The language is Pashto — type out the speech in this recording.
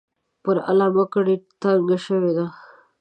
پر علامه کړۍ تنګه شوې ده.